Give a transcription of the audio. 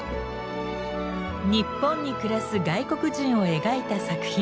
日本に暮らす外国人を描いた作品。